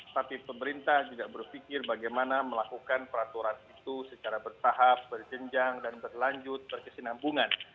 tapi pemerintah juga berpikir bagaimana melakukan peraturan itu secara bertahap berjenjang dan berlanjut berkesinambungan